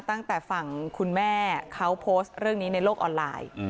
ตั้งแต่ฝั่งคุณแม่เขาโพสต์เรื่องนี้ในโลกออนไลน์